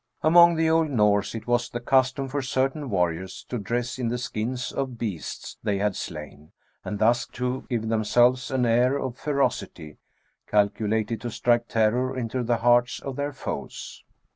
Among the old Norse, it was the custom for certain warriors to dress in the skins of the beasts they had 3—2 36 THE BOOK OF WEBE WOLVBS. slain, and thus to give themselves an air of ferocity, cal culated to strike terror into the hearts of their foes.